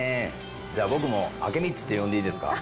じゃあ、僕も明美っちって呼んでいいですか？